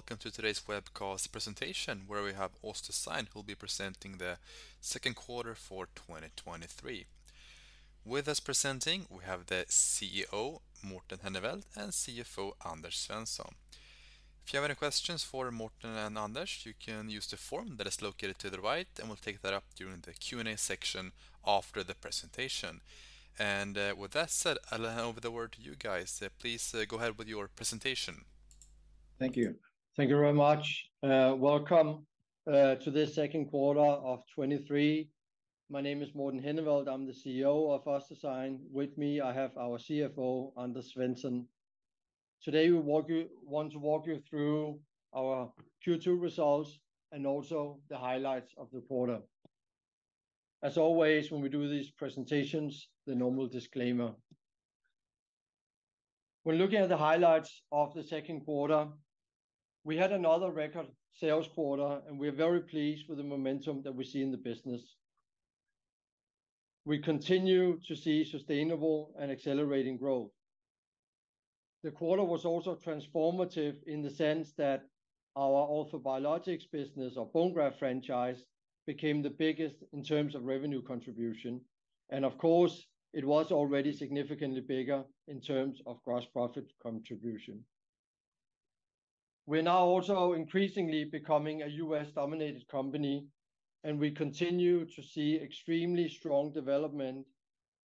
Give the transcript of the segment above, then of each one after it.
Hello, and welcome to today's webcast presentation, where we have OssDsign, who will be presenting the second quarter for 2023. With us presenting, we have the CEO, Morten Henneveld, and CFO, Anders Svensson. If you have any questions for Morten and Anders, you can use the form that is located to the right, and we'll take that up during the Q&A section after the presentation. With that said, I'll hand over the word to you guys. Please, go ahead with your presentation. Thank you. Thank you very much. Welcome to this second quarter of 2023. My name is Morten Henneveld. I'm the CEO of OssDsign. With me, I have our CFO, Anders Svensson. Today, we want to walk you through our Q2 results and also the highlights of the quarter. As always, when we do these presentations, the normal disclaimer. When looking at the highlights of the second quarter, we had another record sales quarter, and we're very pleased with the momentum that we see in the business. We continue to see sustainable and accelerating growth. The quarter was also transformative in the sense that our orthobiologics business or bone graft franchise became the biggest in terms of revenue contribution, and of course, it was already significantly bigger in terms of gross profit contribution. We're now also increasingly becoming a U.S.-dominated company, and we continue to see extremely strong development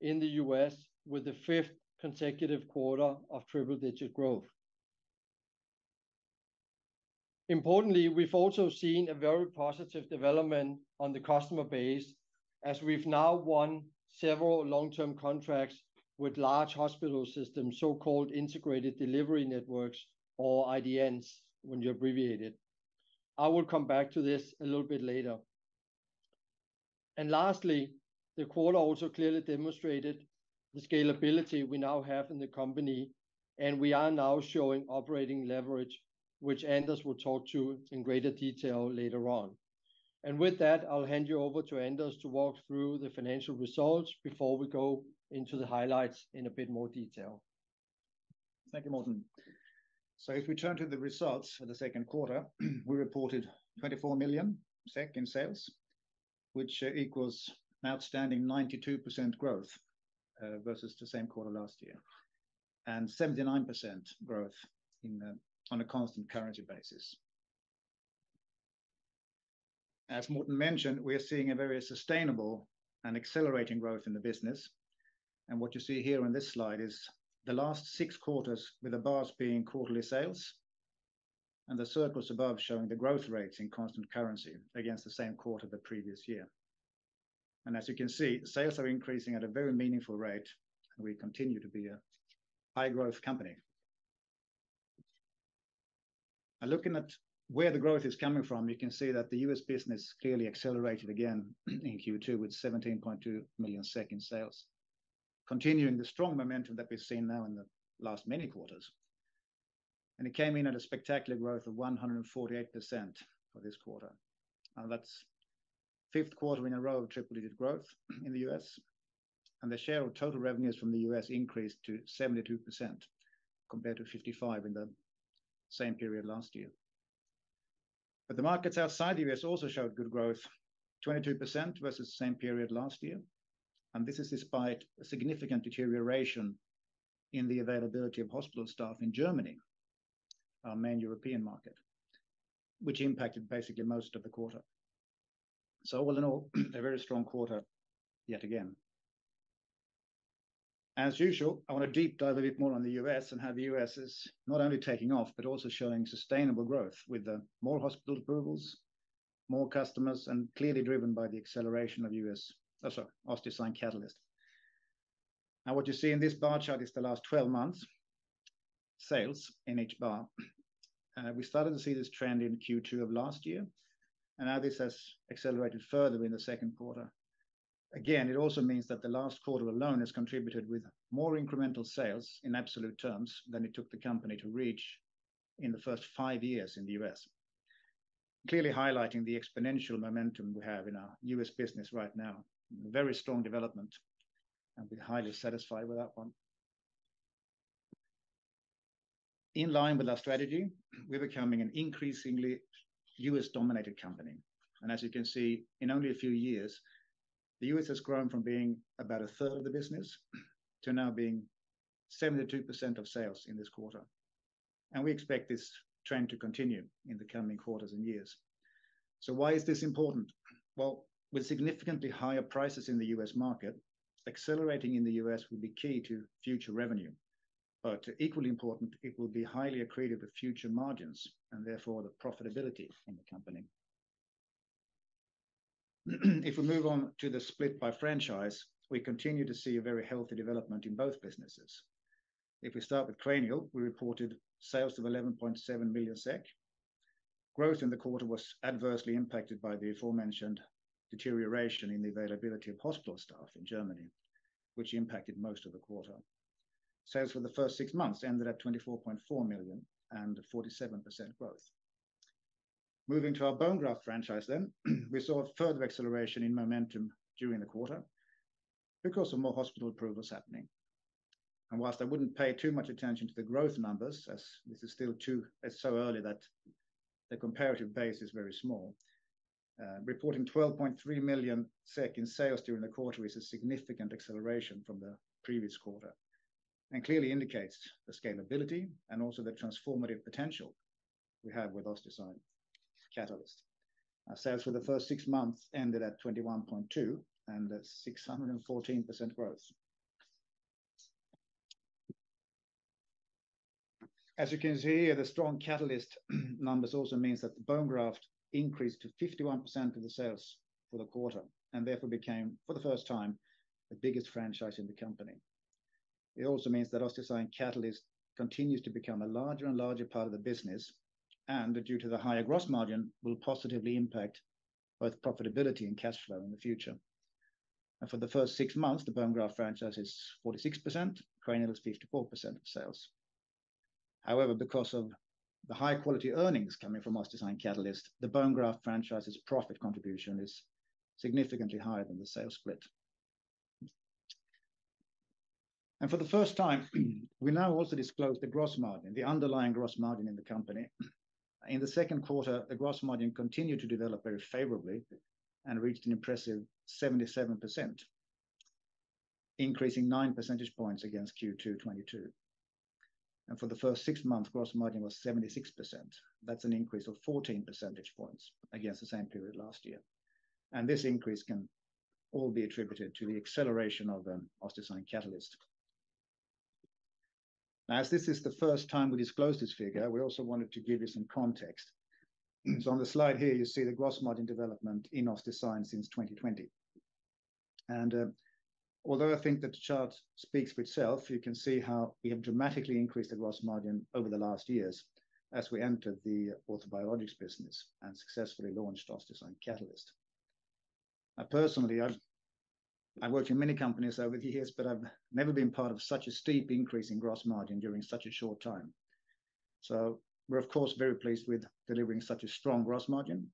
in the U.S., with the fifth consecutive quarter of triple-digit growth. Importantly, we've also seen a very positive development on the customer base, as we've now won several long-term contracts with large hospital systems, so-called Integrated Delivery Networks, or IDNs when you abbreviate it. I will come back to this a little bit later. Lastly, the quarter also clearly demonstrated the scalability we now have in the company, and we are now showing operating leverage, which Anders will talk to in greater detail later on. With that, I'll hand you over to Anders to walk through the financial results before we go into the highlights in a bit more detail. Thank you, Morten. If we turn to the results for the second quarter, we reported 24 million SEK in sales, which equals outstanding 92% growth versus the same quarter last year, and 79% growth in the, on a constant currency basis. As Morten mentioned, we are seeing a very sustainable and accelerating growth in the business, what you see here in this slide is the last six quarters, with the bars being quarterly sales and the circles above showing the growth rates in constant currency against the same quarter the previous year. As you can see, sales are increasing at a very meaningful rate, we continue to be a high-growth company. Looking at where the growth is coming from, you can see that the US business clearly accelerated again in Q2 with 17.2 million in sales, continuing the strong momentum that we've seen now in the last many quarters. It came in at a spectacular growth of 148% for this quarter, and that's 5th quarter in a row of triple-digit growth in the U.S. The share of total revenues from the U.S. increased to 72%, compared to 55% in the same period last year. The markets outside the U.S. also showed good growth, 22% versus the same period last year, and this is despite a significant deterioration in the availability of hospital staff in Germany, our main European market, which impacted basically most of the quarter. All in all, a very strong quarter yet again. As usual, I want to deep dive a bit more on the U.S. and how the U.S. is not only taking off but also showing sustainable growth with the more hospital approvals, more customers, and clearly driven by the acceleration of U.S.... Oh, sorry, OssDsign Catalyst. Now, what you see in this bar chart is the last 12 months' sales in each bar. We started to see this trend in Q2 of last year, and now this has accelerated further in the second quarter. Again, it also means that the last quarter alone has contributed with more incremental sales in absolute terms than it took the company to reach in the first five years in the U.S., clearly highlighting the exponential momentum we have in our U.S. business right now. Very strong development, and we're highly satisfied with that one. In line with our strategy, we're becoming an increasingly US-dominated company. As you can see, in only a few years, the U.S. has grown from being about a third of the business to now being 72% of sales in this quarter. We expect this trend to continue in the coming quarters and years. Why is this important? Well, with significantly higher prices in the U.S. market, accelerating in the U.S. will be key to future revenue. Equally important, it will be highly accretive to future margins and therefore the profitability in the company. If we move on to the split by franchise, we continue to see a very healthy development in both businesses. If we start with Cranial, we reported sales of 11.7 million SEK. Growth in the quarter was adversely impacted by the aforementioned deterioration in the availability of hospital staff in Germany, which impacted most of the quarter. Sales for the first six months ended at 24.4 million and 47% growth. Moving to our bone graft franchise then, we saw a further acceleration in momentum during the quarter because of more hospital approvals happening. Whilst I wouldn't pay too much attention to the growth numbers, as this is still too- it's so early that the comparative base is very small. Reporting 12.3 million SEK in sales during the quarter is a significant acceleration from the previous quarter, and clearly indicates the scalability and also the transformative potential we have with OssDsign Catalyst. Our sales for the first six months ended at 21.2 million, and that's 614% growth. As you can see, the strong Catalyst numbers also means that the bone graft increased to 51% of the sales for the quarter, and therefore became, for the first time, the biggest franchise in the company. It also means that OssDsign Catalyst continues to become a larger and larger part of the business, and due to the higher gross margin, will positively impact both profitability and cash flow in the future. For the first six months, the bone graft franchise is 46%, cranial is 54% of sales. However, because of the high-quality earnings coming from OssDsign Catalyst, the bone graft franchise's profit contribution is significantly higher than the sales split. For the first time, we now also disclose the gross margin, the underlying gross margin in the company. In the 2nd quarter, the gross margin continued to develop very favorably and reached an impressive 77%, increasing nine percentage points against Q2 2022. For the first six months, gross margin was 76%. That's an increase of 14 percentage points against the same period last year. This increase can all be attributed to the acceleration of the OssDsign Catalyst. As this is the first time we disclosed this figure, we also wanted to give you some context. On the slide here, you see the gross margin development in OssDsign since 2020. Although I think that the chart speaks for itself, you can see how we have dramatically increased the gross margin over the last years as we entered the orthobiologics business and successfully launched OssDsign Catalyst. Personally, I've worked in many companies over the years, but I've never been part of such a steep increase in gross margin during such a short time. We're, of course, very pleased with delivering such a strong gross margin.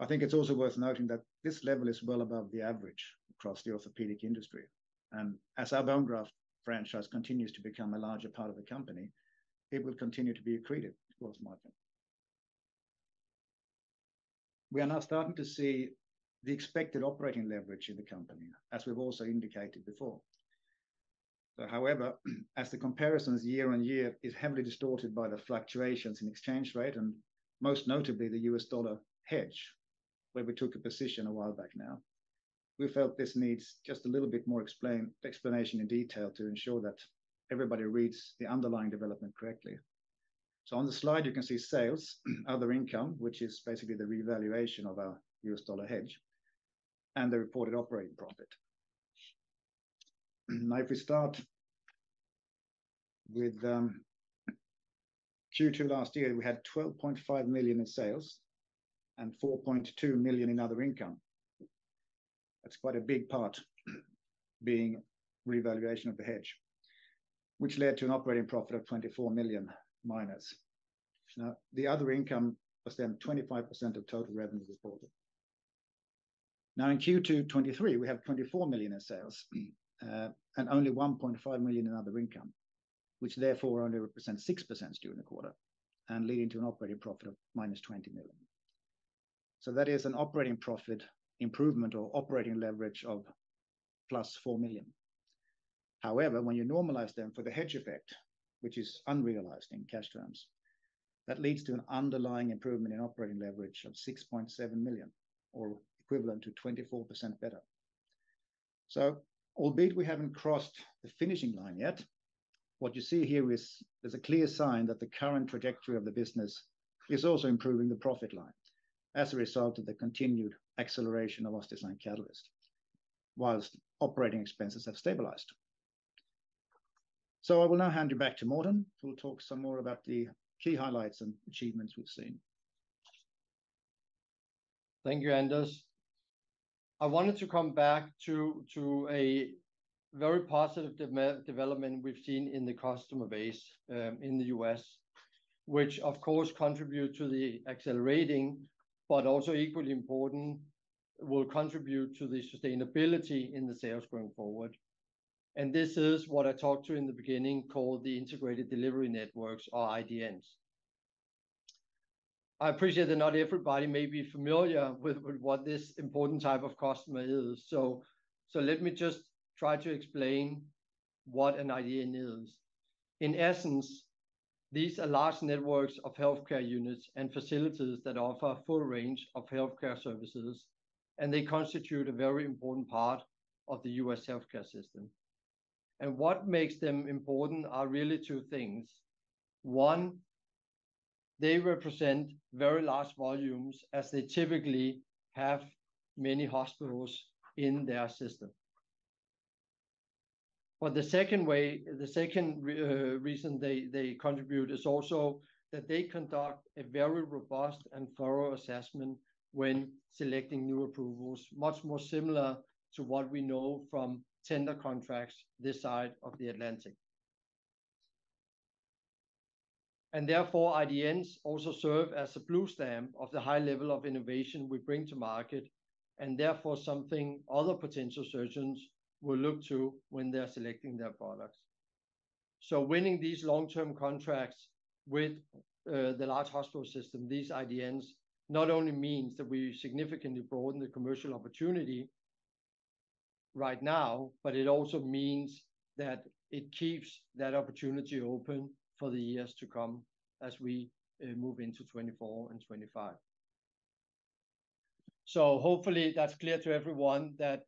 I think it's also worth noting that this level is well above the average across the orthopedic industry, and as our bone graft franchise continues to become a larger part of the company, it will continue to be accretive gross margin. We are now starting to see the expected operating leverage in the company, as we've also indicated before. However, as the comparisons year on year is heavily distorted by the fluctuations in exchange rate, and most notably, the US dollar hedge, where we took a position a while back now, we felt this needs just a little bit more explanation and detail to ensure that everybody reads the underlying development correctly. On the slide you can see sales, other income, which is basically the revaluation of our US dollar hedge and the reported operating profit. If we start with Q2 last year, we had 12.5 million in sales and 4.2 million in other income. That's quite a big part, being revaluation of the hedge, which led to an operating profit of minus 24 million. The other income was then 25% of total revenues reported. In Q2 2023, we have 24 million in sales, and only 1.5 million in other income, which therefore only represents 6% during the quarter, and leading to an operating profit of minus 20 million. That is an operating profit improvement or operating leverage of plus 4 million. However, when you normalize them for the hedge effect, which is unrealized in cash terms, that leads to an underlying improvement in operating leverage of 6.7 million, or equivalent to 24% better. Albeit we haven't crossed the finishing line yet, what you see here is a clear sign that the current trajectory of the business is also improving the profit line as a result of the continued acceleration of OssDsign Catalyst, whilst operating expenses have stabilized. I will now hand you back to Morten, who will talk some more about the key highlights and achievements we've seen. Thank you, Anders. I wanted to come back to, to a very positive development we've seen in the customer base, in the U.S., which of course, contribute to the accelerating, but also equally important, will contribute to the sustainability in the sales going forward. This is what I talked to in the beginning, called the Integrated Delivery Networks or IDNs. I appreciate that not everybody may be familiar with what this important type of customer is. Let me just try to explain what an IDN is. In essence, these are large networks of healthcare units and facilities that offer a full range of healthcare services, and they constitute a very important part of the U.S. healthcare system. What makes them important are really two things. One, they represent very large volumes, as they typically have many hospitals in their system. The second way, the second reason they, they contribute is also that they conduct a very robust and thorough assessment when selecting new approvals. Much more similar to what we know from tender contracts this side of the Atlantic.... Therefore, IDNs also serve as a blue stamp of the high level of innovation we bring to market, and therefore, something other potential surgeons will look to when they're selecting their products. Winning these long-term contracts with the large hospital system, these IDNs, not only means that we significantly broaden the commercial opportunity right now, but it also means that it keeps that opportunity open for the years to come as we move into 2024 and 2025. Hopefully that's clear to everyone, that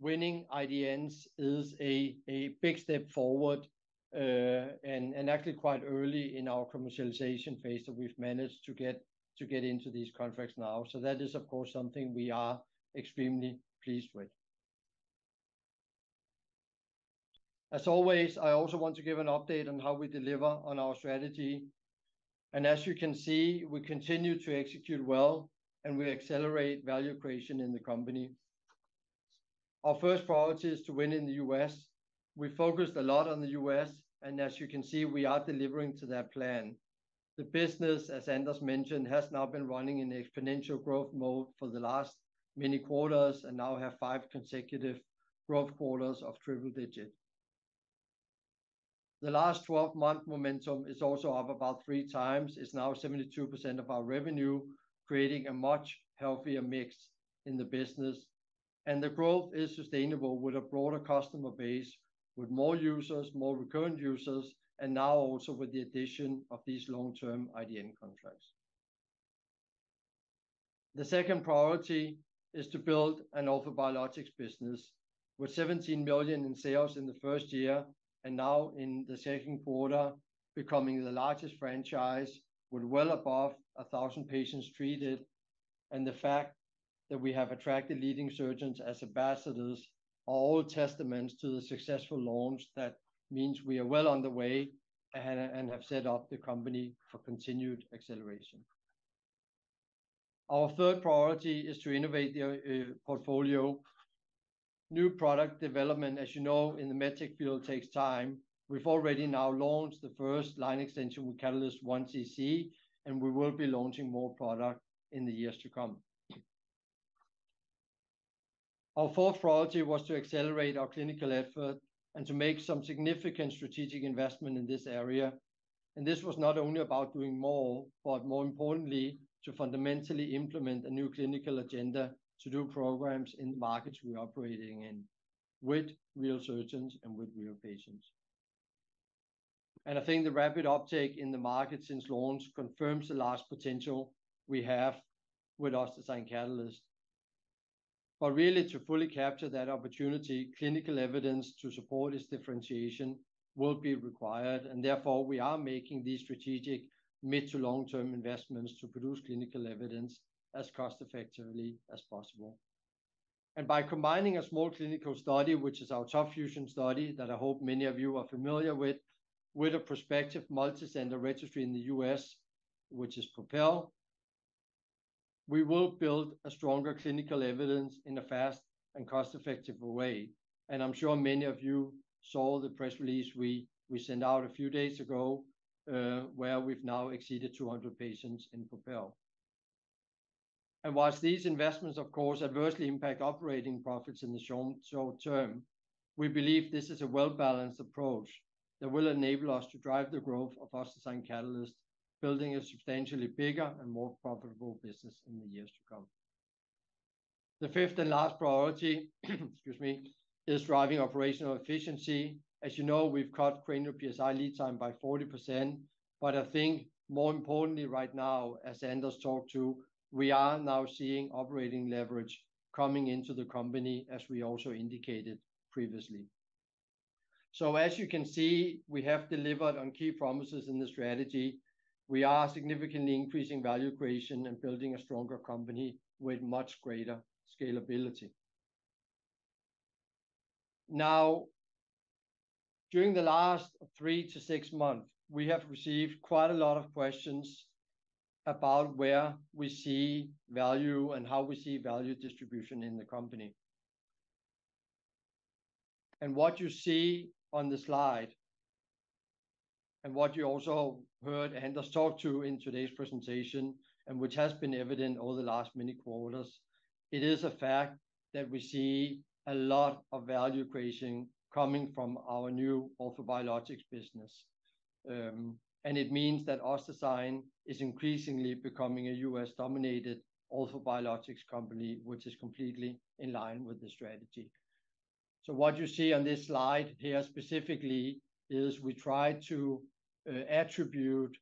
winning IDNs is a big step forward, and actually quite early in our commercialization phase that we've managed to get into these contracts now. That is, of course, something we are extremely pleased with. As always, I also want to give an update on how we deliver on our strategy. As you can see, we continue to execute well, and we accelerate value creation in the company. Our first priority is to win in the U.S.. We focused a lot on the U.S., and as you can see, we are delivering to that plan. The business, as Anders mentioned, has now been running in exponential growth mode for the last many quarters and now have five consecutive growth quarters of triple digit. The last 12-month momentum is also up about three times. It's now 72% of our revenue, creating a much healthier mix in the business. The growth is sustainable with a broader customer base, with more users, more recurrent users, and now also with the addition of these long-term IDN contracts. The second priority is to build an orthobiologics business. With $17 million in sales in the first year, and now in the second quarter, becoming the largest franchise, with well above 1,000 patients treated, and the fact that we have attracted leading surgeons as ambassadors, are all testaments to the successful launch. That means we are well on the way and have set up the company for continued acceleration. Our third priority is to innovate the portfolio. New product development, as you know, in the medtech field, takes time. We've already now launched the first line extension with Catalyst 1cc, and we will be launching more product in the years to come. Our fourth priority was to accelerate our clinical effort and to make some significant strategic investment in this area. This was not only about doing more, but more importantly, to fundamentally implement a new clinical agenda to do programs in the markets we're operating in, with real surgeons and with real patients. I think the rapid uptake in the market since launch confirms the large potential we have with OssDsign Catalyst. Really, to fully capture that opportunity, clinical evidence to support this differentiation will be required, and therefore, we are making these strategic mid to long-term investments to produce clinical evidence as cost-effectively as possible. By combining a small clinical study, which is our TOP FUSION study, that I hope many of you are familiar with, with a prospective multicenter registry in the US, which is PROPEL, we will build a stronger clinical evidence in a fast and cost-effective way. I'm sure many of you saw the press release we, we sent out a few days ago, where we've now exceeded 200 patients in PROPEL. Whilst these investments, of course, adversely impact operating profits in the short, short term, we believe this is a well-balanced approach that will enable us to drive the growth of OssDsign Catalyst, building a substantially bigger and more profitable business in the years to come. The fifth and last priority, excuse me, is driving operational efficiency. As you know, we've cut cranial PSI lead time by 40%, I think more importantly right now, as Anders talked to, we are now seeing operating leverage coming into the company, as we also indicated previously. As you can see, we have delivered on key promises in the strategy. We are significantly increasing value creation and building a stronger company with much greater scalability. Now, during the last three to six months, we have received quite a lot of questions about where we see value and how we see value distribution in the company. What you see on the slide, and what you also heard Anders talk to in today's presentation, and which has been evident over the last many quarters, it is a fact that we see a lot of value creation coming from our new orthobiologics business. It means that OssDsign is increasingly becoming a US-dominated orthobiologics company, which is completely in line with the strategy. What you see on this slide here specifically, is we try to attribute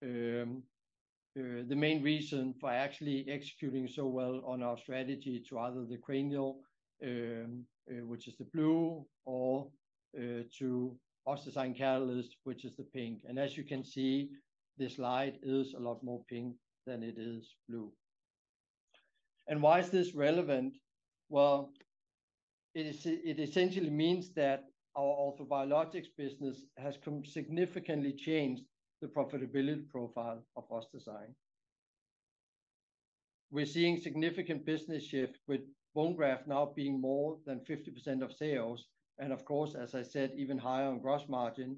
the main reason for actually executing so well on our strategy to either the cranial, which is the blue, or to OssDsign Catalyst, which is the pink. As you can see, this slide is a lot more pink than it is blue. Why is this relevant? It essentially means that our orthobiologics business has significantly changed the profitability profile of OssDsign. We're seeing significant business shift, with bone graft now being more than 50% of sales, of course, as I said, even higher on gross margin,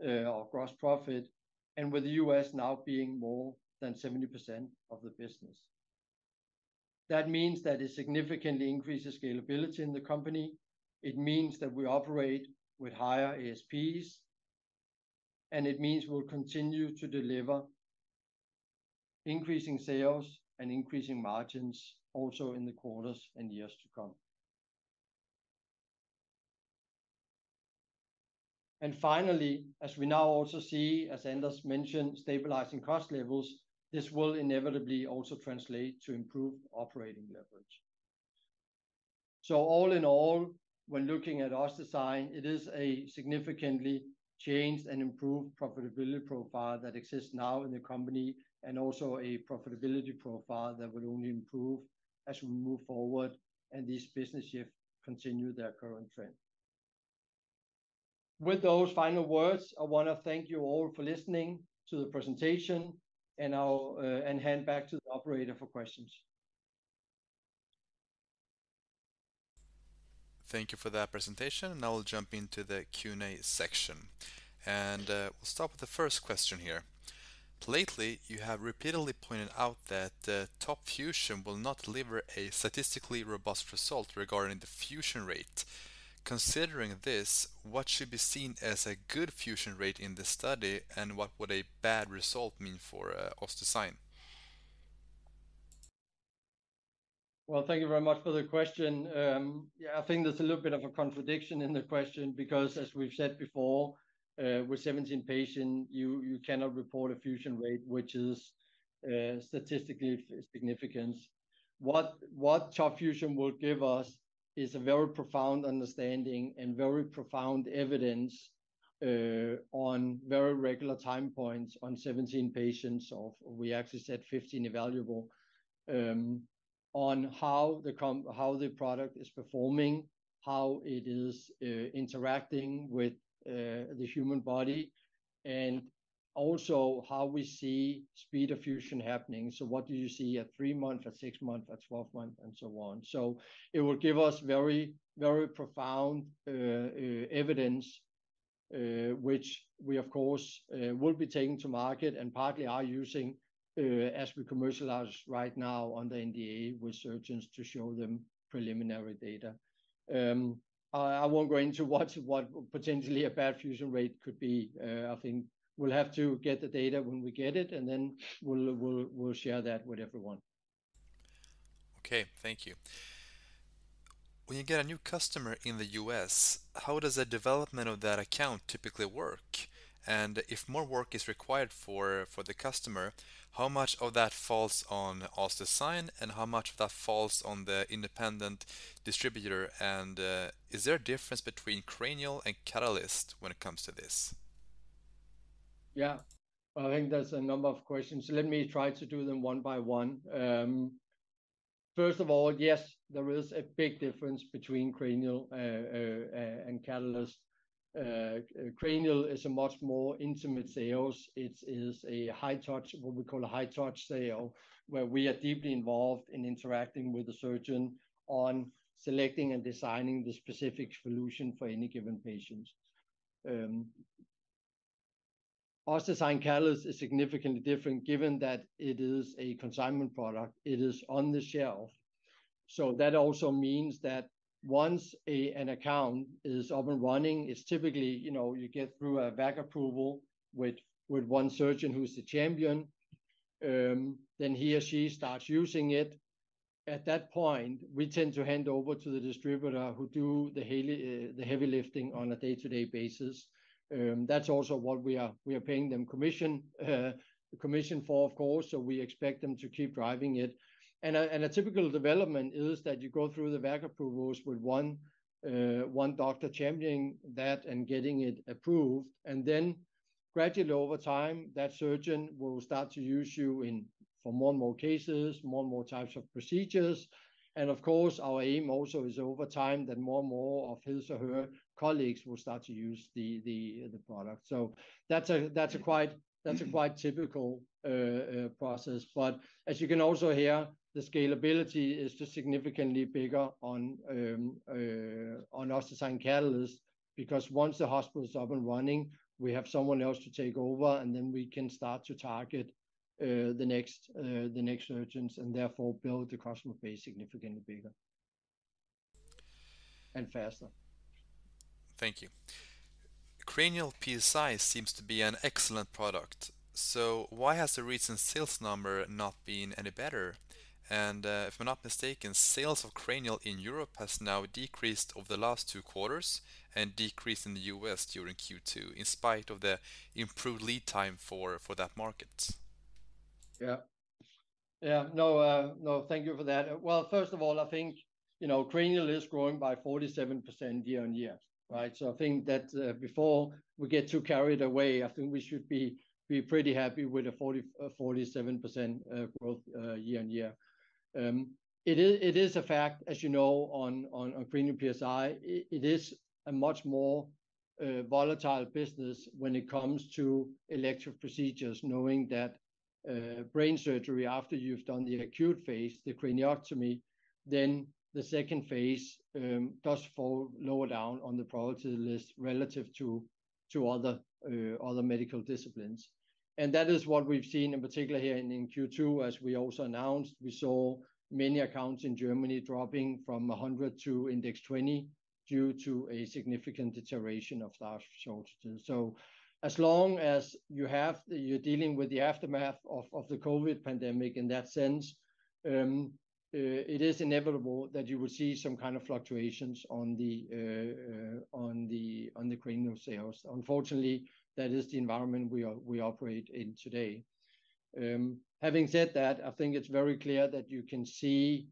or gross profit, with the U.S. now being more than 70% of the business. That means that it significantly increases scalability in the company. It means that we operate with higher ASPs, it means we'll continue to deliver increasing sales and increasing margins also in the quarters and years to come. Finally, as we now also see, as Anders mentioned, stabilizing cost levels, this will inevitably also translate to improved operating leverage. All in all, when looking at OssDsign, it is a significantly changed and improved profitability profile that exists now in the company, and also a profitability profile that will only improve as we move forward, and this business shift continue their current trend. With those final words, I wanna thank you all for listening to the presentation, and I'll hand back to the operator for questions. Thank you for that presentation. Now we'll jump into the Q&A section, and we'll start with the first question here. Lately, you have repeatedly pointed out that TOP FUSION will not deliver a statistically robust result regarding the fusion rate. Considering this, what should be seen as a good fusion rate in the study, and what would a bad result mean for OssDsign? Well, thank you very much for the question. Yeah, I think there's a little bit of a contradiction in the question because, as we've said before, with 17 patients, you, you cannot report a fusion rate, which is statistically significant. What, what TOP FUSION will give us is a very profound understanding and very profound evidence on very regular time points on 17 patients, of we actually said 15 evaluable, on how the product is performing, how it is interacting with the human body, and also how we see speed of fusion happening. What do you see at three months, at six months, at 12 months, and so on? It will give us very, very profound evidence, which we, of course, will be taking to market and partly are using, as we commercialize right now on the NDA with surgeons to show them preliminary data. I, I won't go into what, what potentially a bad fusion rate could be. I think we'll have to get the data when we get it, and then we'll, we'll, we'll share that with everyone. Okay, thank you. When you get a new customer in the U.S., how does the development of that account typically work? If more work is required for the customer, how much of that falls on OssDsign, and how much of that falls on the independent distributor? Is there a difference between Cranial and Catalyst when it comes to this? Yeah. I think that's a number of questions. Let me try to do them one by one. First of all, yes, there is a big difference between Cranial and Catalyst. Cranial is a much more intimate sales. It is a high touch, what we call a high-touch sale, where we are deeply involved in interacting with the surgeon on selecting and designing the specific solution for any given patient. OssDsign Catalyst is significantly different, given that it is a consignment product. It is on the shelf. That also means that once a, an account is up and running, it's typically, you know, you get through a VAC approval with, with one surgeon who's the champion. He or she starts using it. At that point, we tend to hand over to the distributor, who do the heavy, the heavy lifting on a day-to-day basis. That's also what we are paying them commission, commission for, of course, so we expect them to keep driving it. A, and a typical development is that you go through the VAC approvals with one, one doctor championing that and getting it approved, and then gradually, over time, that surgeon will start to use you in for more and more cases, more and more types of procedures. Of course, our aim also is over time, that more and more of his or her colleagues will start to use the product. That's a, that's a quite, that's a quite typical process. As you can also hear, the scalability is just significantly bigger on OssDsign Catalyst, because once the hospital is up and running, we have someone else to take over, and then we can start to target the next, the next surgeons and therefore build the customer base significantly bigger and faster. Thank you. Cranial PSI seems to be an excellent product, so why has the recent sales number not been any better? If I'm not mistaken, sales of Cranial in Europe has now decreased over the last two quarters and decreased in the U.S. during Q2, in spite of the improved lead time for that market. Yeah. Yeah, no, no, thank you for that. Well, first of all, I think, you know, Cranial is growing by 47% year on year, right? I think that, before we get too carried away, I think we should be, be pretty happy with the 40, 47% growth year on year. It is, it is a fact, as you know, on, on, on Cranial PSI, it is a much more volatile business when it comes to electric procedures, knowing that brain surgery, after you've done the acute phase, the craniotomy, then the second phase, does fall lower down on the priority list relative to, to other medical disciplines. That is what we've seen in particular here in, in Q2. As we also announced, we saw many accounts in Germany dropping from 100 to index 20 due to a significant deterioration of large shortages. As long as you're dealing with the aftermath of, of the COVID pandemic, in that sense, it is inevitable that you will see some kind of fluctuations on the, on the cranial sales. Unfortunately, that is the environment we are, we operate in today. Having said that, I think it's very clear that you can see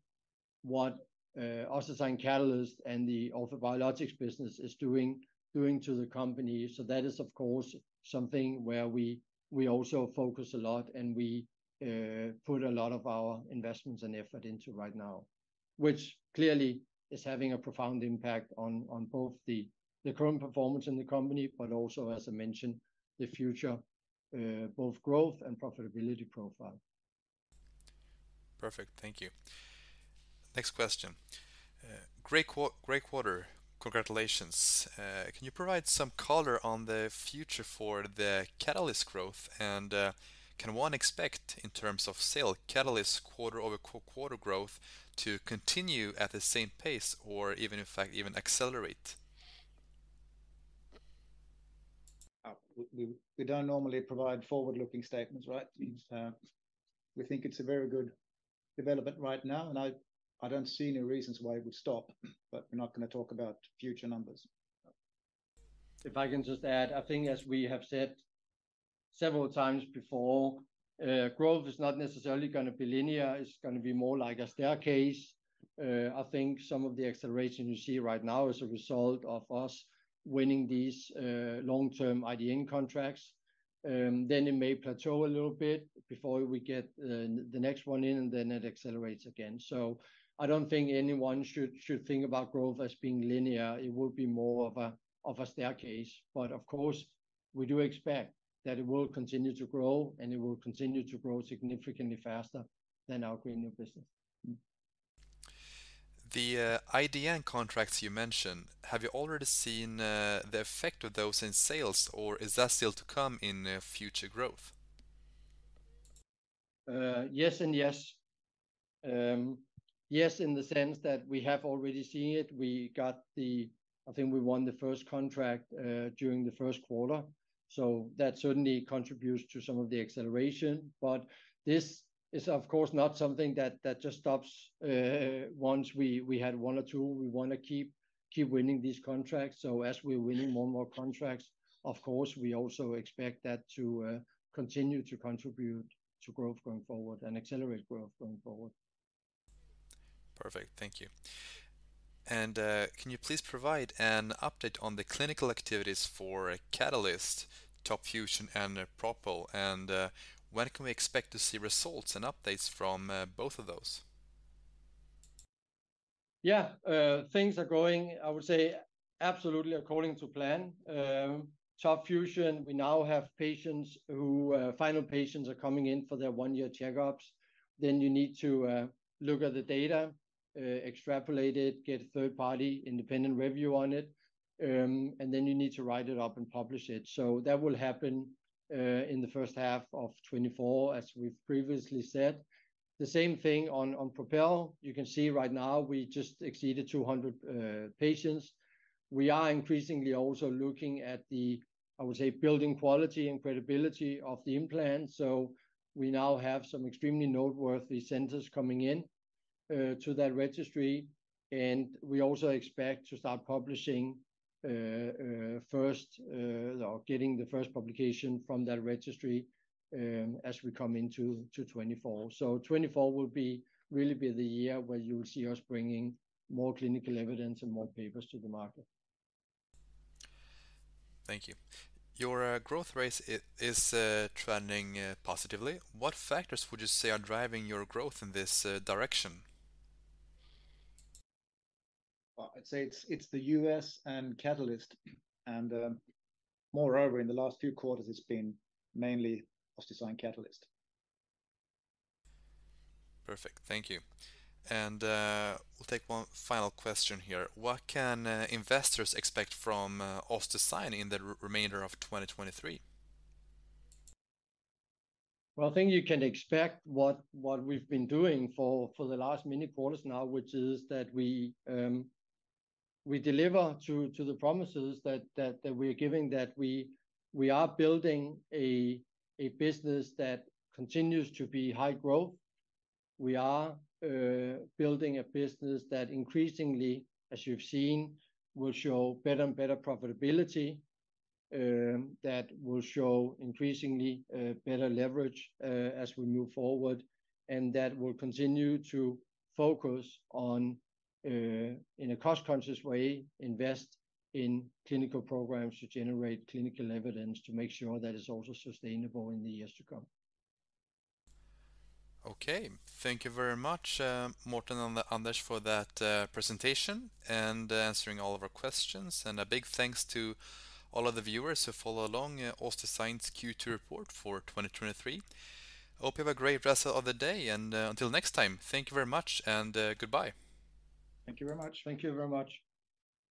what OssDsign Catalyst and the orthobiologics business is doing, doing to the company. That is, of course, something where we, we also focus a lot, and we put a lot of our investments and effort into right now, which clearly is having a profound impact on, on both the, the current performance in the company, but also, as I mentioned, the future, both growth and profitability profile. Perfect. Thank you. Next question. Great quarter. Congratulations. Can you provide some color on the future for the Catalyst growth? Can one expect, in terms of sale, Catalyst quarter-over-quarter growth to continue at the same pace or even, in fact, even accelerate? We, we don't normally provide forward-looking statements, right? We think it's a very good development right now, and I, I don't see any reasons why it would stop, but we're not gonna talk about future numbers. If I can just add, I think as we have said several times before, growth is not necessarily gonna be linear. It's gonna be more like a staircase. I think some of the acceleration you see right now is a result of us winning these long-term IDN contracts. It may plateau a little bit before we get the next one in, and then it accelerates again. I don't think anyone should, should think about growth as being linear. It will be more of a, of a staircase. Of course, we do expect that it will continue to grow, and it will continue to grow significantly faster than our cranial business. The IDN contracts you mentioned, have you already seen the effect of those in sales, or is that still to come in future growth? Yes and yes. Yes, in the sense that we have already seen it. We got the... I think we won the first contract during the first quarter, so that certainly contributes to some of the acceleration. This is, of course, not something that, that just stops once we, we had one or two. We want to keep, keep winning these contracts. As we're winning more and more contracts, of course, we also expect that to continue to contribute to growth going forward and accelerate growth going forward. Perfect. Thank you. Can you please provide an update on the clinical activities for Catalyst, TOP FUSION, and PROPEL? When can we expect to see results and updates from, both of those? Yeah. Things are going, I would say, absolutely according to plan. TOP FUSION, we now have patients who, final patients are coming in for their one-year checkups. You need to look at the data, extrapolate it, get a third-party independent review on it, and then you need to write it up and publish it. That will happen in the first half of 2024, as we've previously said. The same thing on, on PROPEL. You can see right now, we just exceeded 200 patients. We are increasingly also looking at the, I would say, building quality and credibility of the implant, so we now have some extremely noteworthy centers coming in, to that registry, and we also expect to start publishing, first, or getting the first publication from that registry, as we come into to 2024. So 2024 will be really be the year where you will see us bringing more clinical evidence and more papers to the market. Thank you. Your growth rate is trending positively. What factors would you say are driving your growth in this direction? Well, I'd say it's, it's the U.S. and Catalyst, and, moreover, in the last few quarters, it's been mainly OssDsign Catalyst. Perfect. Thank you. We'll take one final question here: What can investors expect from OssDsign in the remainder of 2023? Well, I think you can expect what, what we've been doing for, for the last many quarters now, which is that we, we deliver to, to the promises that, that, that we're giving, that we, we are building a, a business that continues to be high growth. We are building a business that increasingly, as you've seen, will show better and better profitability, that will show increasingly better leverage, as we move forward, and that will continue to focus on in a cost-conscious way, invest in clinical programs to generate clinical evidence to make sure that it's also sustainable in the years to come. Okay. Thank you very much, Morten and Anders, for that presentation and answering all of our questions. A big thanks to all of the viewers who followed along, OssDsign's Q2 report for 2023. Hope you have a great rest of the day, until next time, thank you very much, goodbye. Thank you very much. Thank you very much.